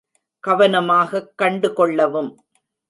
கவனமாகக் கண்டு கொள்ளவும்.